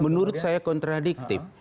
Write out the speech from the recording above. menurut saya kontradiktif